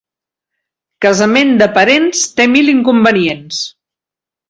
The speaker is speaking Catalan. Casament de parents té mil inconvenients.